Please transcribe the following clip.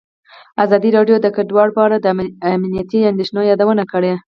ازادي راډیو د کډوال په اړه د امنیتي اندېښنو یادونه کړې.